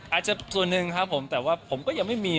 อาจจะส่วนหนึ่งครับผมแต่ว่าผมก็ยังไม่มี